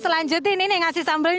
selanjut ini nih ngasih sambung